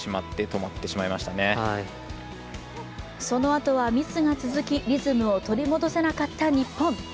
そのあとはミスが続き、リズムを取り戻せなかった日本。